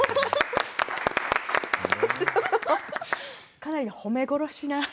かなり褒め殺しな。